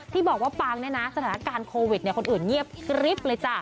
ที่บอกว่าปังเนี่ยนะสถานการณ์โควิดคนอื่นเงียบกริ๊บเลยจ้ะ